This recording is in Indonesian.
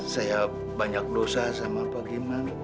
saya banyak dosa sama pak giman